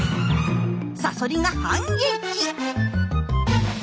サソリが反撃。